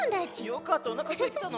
よかったおなかすいてたの。